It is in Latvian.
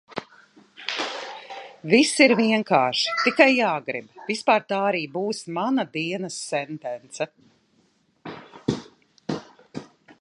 Viss ir vienkārši, tikai jāgrib. Vispār tā arī būs mana dienas sentence.